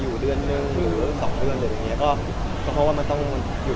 หรือว่าปีหน้าจะเริ่มรูปเต็มที่